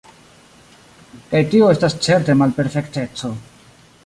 Kaj tio estas certe malperfekteco.